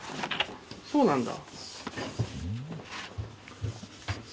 そうなんだ。